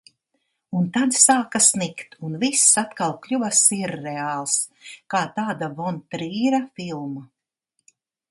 Un tad sāka snigt un viss atkal kļuva sirreāls. Kā tāda von Trīra filma.